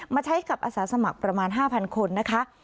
ใช้กับอาสาสมัครประมาณ๕๐๐คนนะคะ